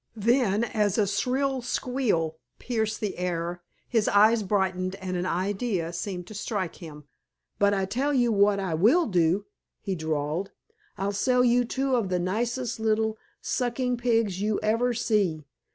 Then, as a shrill squeal pierced the air his eyes brightened and an idea seemed to strike him. "But I tell you what I will do," he drawled, "I'll sell you two of the nicest little suckin' pigs you ever see.